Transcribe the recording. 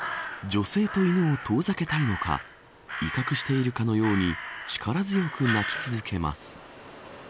女性と犬を遠ざけたいのか威嚇しているかのように力強く鳴き続けます。